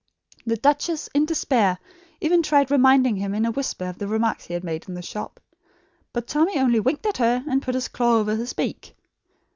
The duchess, in despair, even tried reminding him in a whisper of the remarks he had made in the shop; but Tommy only winked at her and put his claw over his beak.